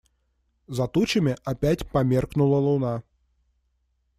За тучами опять померкнула луна.